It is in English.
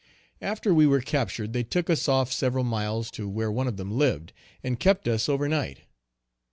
After we were captured they took us off several miles to where one of them lived, and kept us over night.